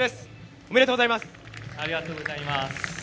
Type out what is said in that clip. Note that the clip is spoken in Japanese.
ありがとうございます。